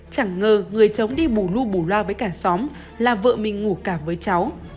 chẳng ngờ người cháu đi bù lu bù lo với cả xóm làm vợ mình ngủ cảm với cháu